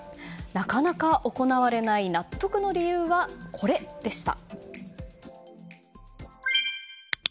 なかなか行われない納得の理由はこれでした。